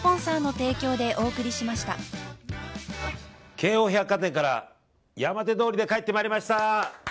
京王百貨店から山手通りで帰ってまいりました。